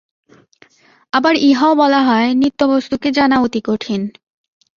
আবার ইহাও বলা হয়, নিত্যবস্তুকে জানা অতি কঠিন।